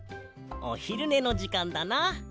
おひるねのじかんだな。